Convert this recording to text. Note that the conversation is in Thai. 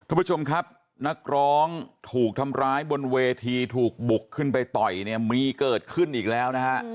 ทุกผู้ชมครับนักร้องถูกทำร้ายบนเวทีถูกบุกขึ้นไปต่อยเนี่ยมีเกิดขึ้นอีกแล้วนะฮะ